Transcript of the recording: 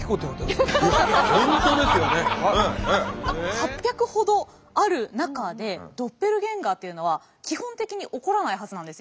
８００ほどある中でドッペルゲンガーというのは基本的に起こらないはずなんですよ。